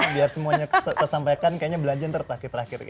biar semuanya tersampaikan kayaknya belanja ntar terakhir terakhir